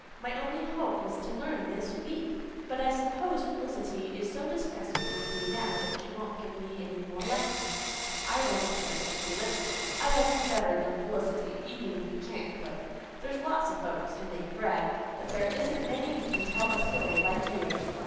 My only hope was to learn this week. But I suppose Felicity is so disgusted with me now that she won't give me any more lessons." "I don't care," said Felix. "I like you better than Felicity, even if you can't cook. There's lots of folks can make bread. But there isn't many who can tell a story like you."